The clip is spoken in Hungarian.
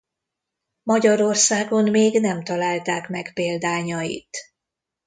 Magyarországon még nem találták meg példányait.